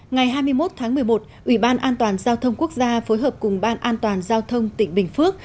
ngày hai mươi một tháng một mươi một ủy ban an toàn giao thông quốc gia phối hợp cùng ban an toàn giao thông tỉnh bình phước